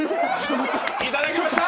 いただきました！